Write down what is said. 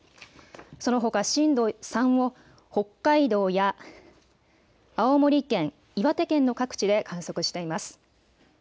そのほか震度３を北海道や青森県、岩手県の各地で観測しています。